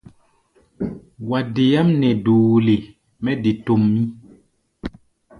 Wa deáʼm nɛ doole mɛ de tomʼí.